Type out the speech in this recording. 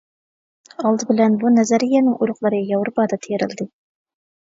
ئالدى بىلەن بۇ نەزەرىيەنىڭ ئۇرۇقلىرى ياۋروپادا تېرىلدى.